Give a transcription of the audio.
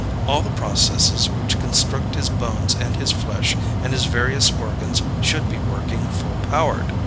All the processes which construct his bones and his flesh and his various organs should be working full powered.